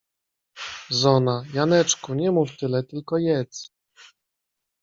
Zona: — Janeczku, nie mów tyle, tylko jedz.